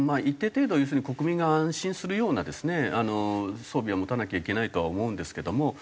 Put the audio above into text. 一定程度要するに国民が安心するようなですね装備は持たなきゃいけないとは思うんですけども。